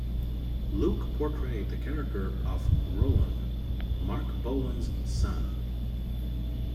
Luke portrayed the character of Rolan, Marc Bolan's son.